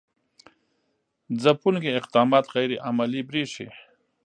ځپونکي اقدامات غیر عملي برېښي.